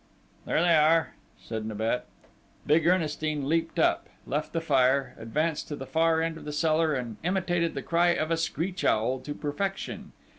"There they are!" said Nibet. Big Ernestine leaped up, left the fire, advanced to the far end of the cellar, and imitated the cry of a screech owl to perfection.